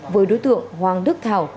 với đối tượng hoàng đức thảo